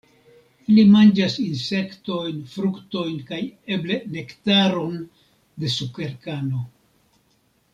Ili manĝas insektojn, fruktojn kaj eble nektaron de sukerkano.